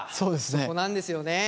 そこなんですよね。